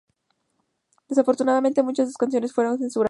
Desafortunadamente, muchas de sus canciones fueron censuradas.